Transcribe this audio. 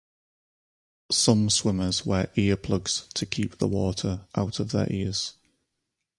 Some swimmers wear ear-plugs to keep the water out of their ears.